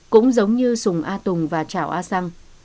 cũng giống như sùng a tùng và trảo a săng